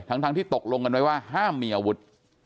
ทั้งที่ตกลงกันไว้ว่าห้ามมีอาวุธ